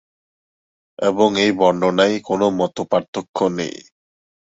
এবং এই বর্ণনায় কোনো মতপার্থক্য নেই।